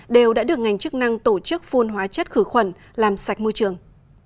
đều đã được ngành chức năng tổ chức phun hóa chất khử khuẩn làm sạch môi trường